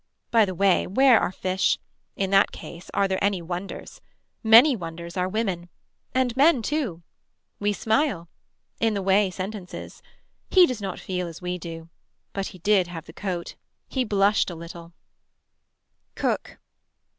By the way where are fish. In that case are there any wonders. Many wonders are women. And men too We smile. In the way sentences. He does not feel as we do. But he did have the coat. He blushed a little Cook.